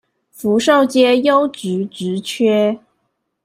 福壽街優質職缺